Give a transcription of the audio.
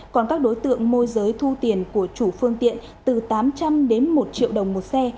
còn các đối tượng môi giới thu tiền của chủ phương tiện từ tám trăm linh đến một triệu đồng một xe